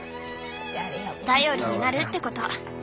頼りになるってこと。